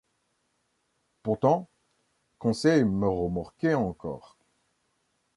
Pourtant, Conseil me remorquait encore.